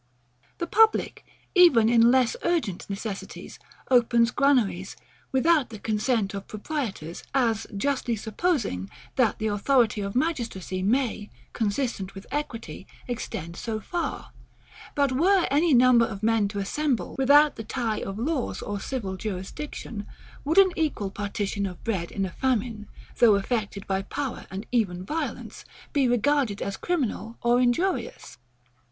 The public, even in less urgent necessities, opens granaries, without the consent of proprietors; as justly supposing, that the authority of magistracy may, consistent with equity, extend so far: but were any number of men to assemble, without the tie of laws or civil jurisdiction; would an equal partition of bread in a famine, though effected by power and even violence, be regarded as criminal or injurious?